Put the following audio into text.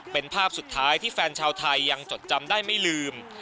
เป็นภาพสุดท้ายที่แฟนชาวไทยยังจดจำได้ไม่ลืม